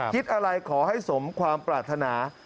คิดอะไรขอให้สมความปรารถนา